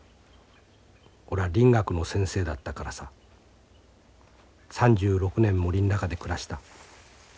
おら林学の先生だったからさ３６年森ん中で暮らした。